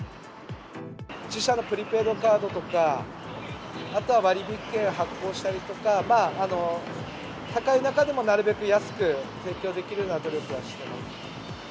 自社のプリペイドカードとか、あとは割引券発行したりとか、高い中でもなるべく安く提供できるような努力はしてます。